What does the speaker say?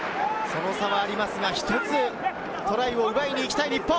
その差はありますが、一つトライを奪いに行きたい日本。